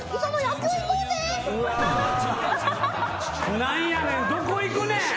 何やねんどこ行くねん。